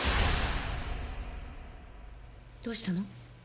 どうしたの？